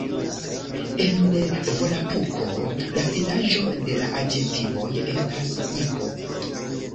En Volapuko la finiĝo de la adjektivoj estas "-ik".